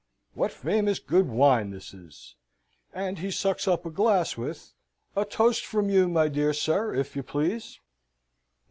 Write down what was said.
What famous good wine this is!" and he sucks up a glass with "A toast from you, my dear sir, if you please?"